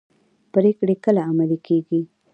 پریکړې کله عملي کیږي؟